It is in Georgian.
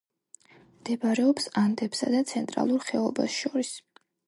მდებარეობს ანდებსა და ცენტრალურ ხეობას შორის.